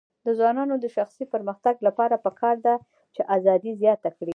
د ځوانانو د شخصي پرمختګ لپاره پکار ده چې ازادي زیاته کړي.